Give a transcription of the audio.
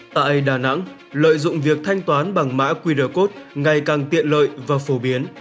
tại đà nẵng lợi dụng việc thanh toán bằng mã qr code ngày càng tiện lợi và phổ biến